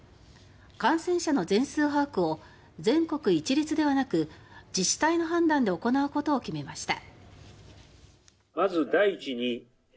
感染者の全数把握を全国一律ではなく自治体の判断で行うことを決めました。